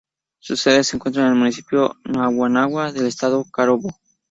Su sede se encuentra en el Municipio Naguanagua del estado Carabobo.